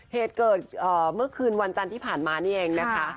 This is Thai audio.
เหตุเกิดเมื่อคืนวันจันทร์ที่ผ่านมานี่เองนะคะ